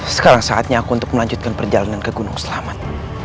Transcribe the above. sekarang saatnya aku untuk melanjutkan perjalanan ke gunung selamat